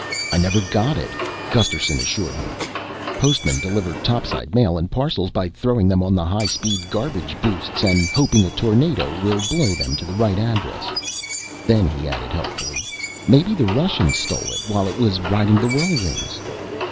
"I never got it," Gusterson assured him. "Postmen deliver topside mail and parcels by throwing them on the high speed garbage boosts and hoping a tornado will blow them to the right addresses." Then he added helpfully, "Maybe the Russians stole it while it was riding the whirlwinds."